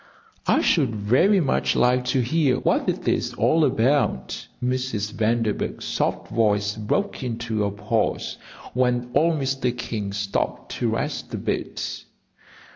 "I should very much like to hear what it is all about." Mrs. Vanderburgh's soft voice broke into a pause, when old Mr. King stopped to rest a bit.